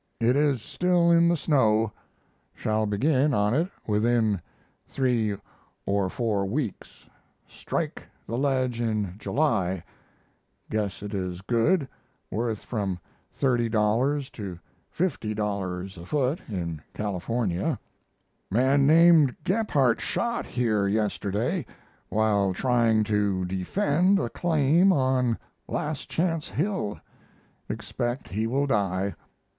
It is still in the snow. Shall begin on it within 3 or 4 weeks strike the ledge in July: Guess it is good worth from $30 to $50 a foot in California.... Man named Gebhart shot here yesterday while trying to defend a claim on Last Chance Hill. Expect he will die.